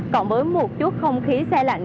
còn với một chút không khí xe lạnh